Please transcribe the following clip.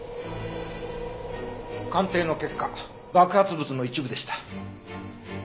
鑑定の結果爆発物の一部でした。